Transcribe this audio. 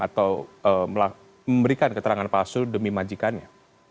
atau memberikan keterangan palsu demi majikannya